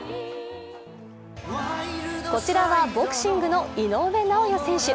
こちらはボクシングの井上尚弥選手。